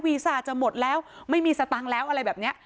ซ่าจะหมดแล้วไม่มีสตังค์แล้วอะไรแบบนี้